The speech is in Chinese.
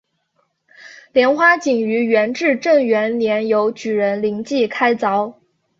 莲花井于元至正元年由举人林济开凿。